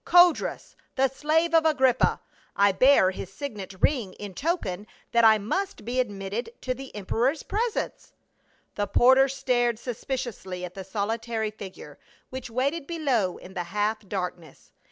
" Codrus, the slave of Agrippa ; I bear his signet ring in token that I must be admitted to the emperor's presence." The porter stared suspiciously at the solitary figure, which waited below in the half darkness.